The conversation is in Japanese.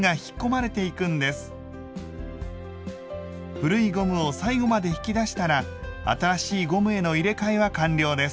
古いゴムを最後まで引き出したら新しいゴムへの入れ替えは完了です。